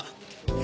え？